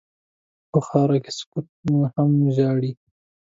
په خاوره کې سکوت هم ژاړي.